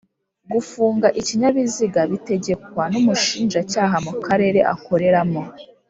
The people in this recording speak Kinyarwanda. Gufunga ikinyabiziga bitegekwa n'umushinjacyaha mu karere akoreramo